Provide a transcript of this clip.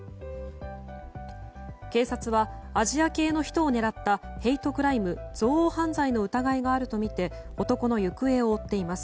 警察はアジア系の人を狙ったヘイトクライム・憎悪犯罪の疑いがあるとみて男の行方を追っています。